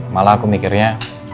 malah aku mikirnya